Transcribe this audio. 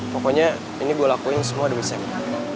pokoknya ini gue lakuin semua duit saya